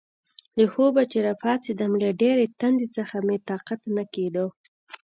له خوبه چې راپاڅېدم، له ډېرې تندې څخه مې طاقت نه کېده.